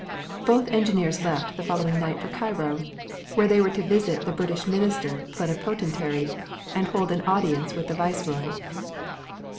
III Both engineers left the following night for Cairo where they were to visit the British minister plenipotentiary and hold an audience with the viceroy.